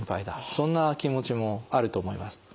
そんな気持ちもあると思います。